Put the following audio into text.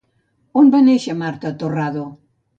A on va néixer Marta Torrado?